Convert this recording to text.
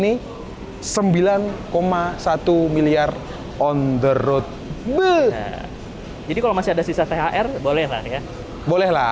ini ada masya allah